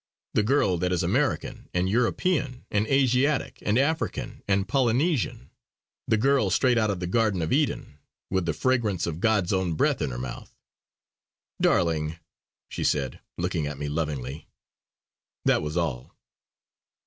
The girl that is American, and European, and Asiatic, and African, and Polynesian. The girl straight out of the Garden of Eden, with the fragrance of God's own breath in her mouth!" "Darling!" she said, looking at me lovingly. That was all.